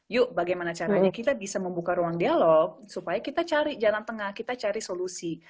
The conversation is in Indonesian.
yuk bagaimana caranya kita bisa membuka ruang dialog supaya kita cari jalan tengah kita cari solusi